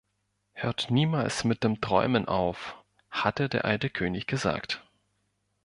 „Hört niemals mit dem Träumen auf,“ hatte der alte König gesagt.